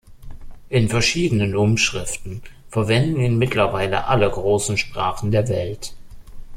In verschiedenen Umschriften verwenden ihn mittlerweile alle großen Sprachen der Welt.